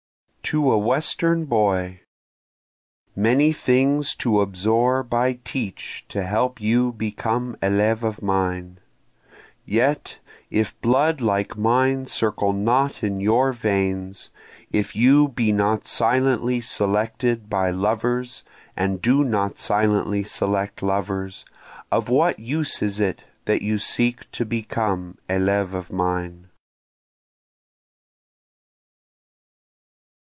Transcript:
To a Western Boy Many things to absorb I teach to help you become eleve of mine; Yet if blood like mine circle not in your veins, If you be not silently selected by lovers and do not silently select lovers, Of what use is it that you seek to become eleve of mine?